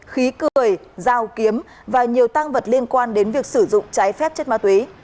khí cười dao kiếm và nhiều tăng vật liên quan đến việc sử dụng trái phép chất ma túy